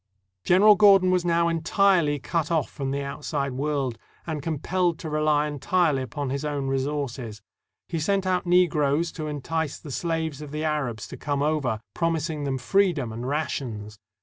General Gordon was now entirely cut off from the outside world, and compelled to rely entirely upon his his own resources. He sent out Negroes to entice the slaves of the Arabs to come over, promising them free dom and rations.